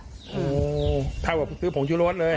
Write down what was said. โอ้โฮเท่ากับที่ซื้อผงชุรสเลย